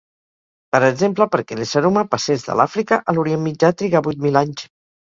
Per exemple, perquè l'ésser humà passés de l'Àfrica a l'Orient Mitjà trigà vuit mil anys.